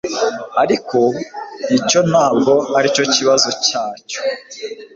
ariko icyo ntabwo aricyo kibazo nyacyo